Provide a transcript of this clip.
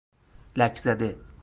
لکزده